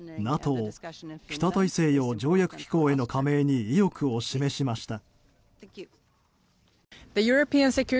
ＮＡＴＯ・北大西洋条約機構への加盟に意欲を示しました。